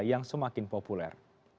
yang semakin populer